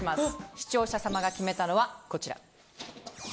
視聴者さまが決めたのはこちら。